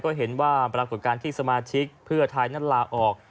ก็เห็นว่าปรากฏการณ์ที่สมาชิกเพื่อไทยนั้นลาออก